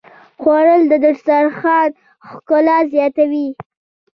خوړل د دسترخوان ښکلا زیاتوي